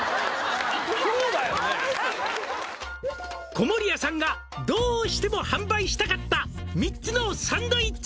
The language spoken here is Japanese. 「籠谷さんがどうしても」「販売したかった３つのサンドイッチ」